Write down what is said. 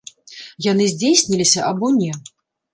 Яны здзейсніліся або не?